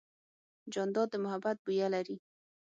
جانداد د محبت بویه لري.